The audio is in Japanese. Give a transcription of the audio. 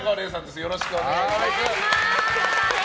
よろしくお願いします。